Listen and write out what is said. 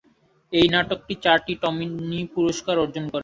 এই নাটকটি চারটি টনি পুরস্কার অর্জন করে।